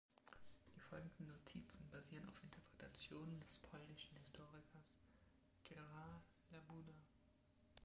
Die folgenden Notizen basieren auf Interpretationen des polnischen Historikers Gerard Labuda.